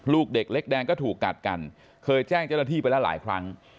ลูกเด็กเล็กแดงก็ถูกกัดกันเคยแจ้งเจ้าหน้าที่ไปแล้วหลายครั้ง